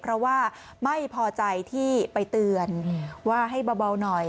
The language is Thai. เพราะว่าไม่พอใจที่ไปเตือนว่าให้เบาหน่อย